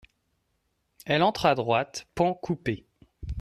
Elle entre à droite, pan coupé.